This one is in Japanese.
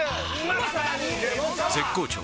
絶好調！！